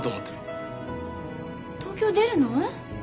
東京出るの！？